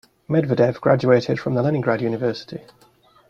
Medvedev graduated from the Leningrad University.